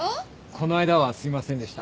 この間はすいませんでした。